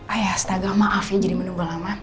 aya astaga maaf ya jadi menunggu lama